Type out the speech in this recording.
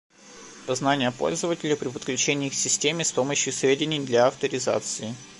Опознание пользователя при подключении к системе с помощью сведений для авторизации